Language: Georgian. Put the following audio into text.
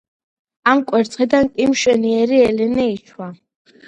ამ კვერცხიდან კი მშვენიერი ელენე იშვა.